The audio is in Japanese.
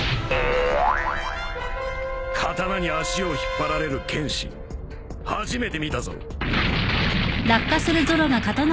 刀に足を引っ張られる剣士初めて見たぞ。